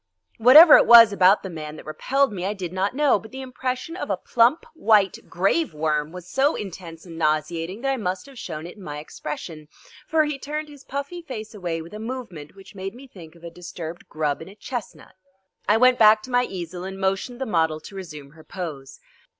Whatever it was about the man that repelled me I did not know, but the impression of a plump white grave worm was so intense and nauseating that I must have shown it in my expression, for he turned his puffy face away with a movement which made me think of a disturbed grub in a chestnut. I went back to my easel and motioned the model to resume her pose.